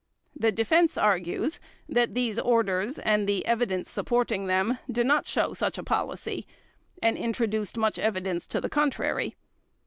The Defense argues that these orders and the evidence supporting them do not show such a policy and introduced much evidence to the contrary.